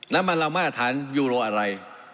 น้ำมันละมาตรฐานยูโรอะไร